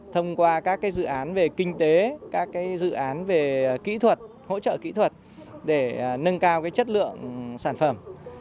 thông qua các dự án về kinh tế các dự án về kỹ thuật hỗ trợ kỹ thuật để nâng cao chất lượng sản phẩm